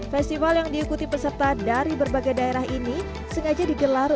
festival yang diikuti peserta dari berbagai daerah ini sengaja dikeluarkan di jawa timur